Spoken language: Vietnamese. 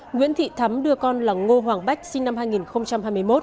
nguyễn thị thắm đưa con là ngô hoàng bách sinh năm hai nghìn hai mươi một